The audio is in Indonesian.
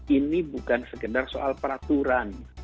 ini bukan sekedar soal peraturan